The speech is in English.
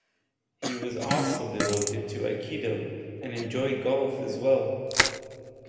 He was also devoted to aikido and enjoyed golf as well.